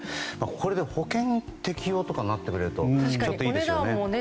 これで保険適用とかになってくれるといいですよね。